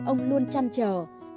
ông luôn trăn trở